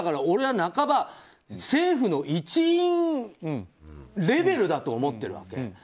俺は半ば、政府の一員レベルだと思ってるわけ。